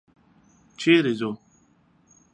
چېرې ځو؟